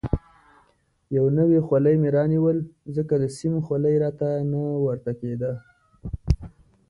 یو نوی خولۍ مې رانیول، ځکه د سیم خولۍ راته نه ورته کېده.